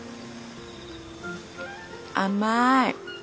甘い！